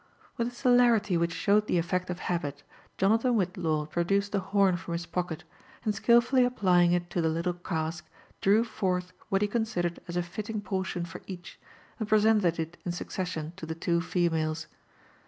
With a celerity which showed the elTect of habit, Jonathan Whillaw produced a horn from his pocket, and skilfully applying it to the litlle cask, drew forth what he considered as a fitting portion for each, and presented it in succession to the two females.